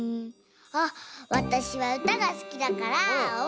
あっわたしはうたがすきだからおんぷとか？